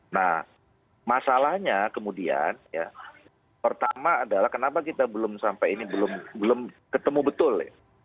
nah masalahnya kemudian ya pertama adalah kenapa kita belum sampai ini belum ketemu betul